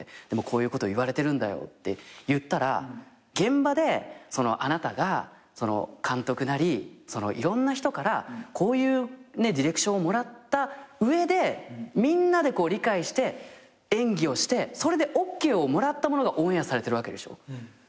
こういうこと言われてるんだよって言ったら「現場であなたが監督なりいろんな人からこういうディレクションをもらった上でみんなで理解して演技をしてそれでＯＫをもらったものがオンエアされてるわけでしょ？」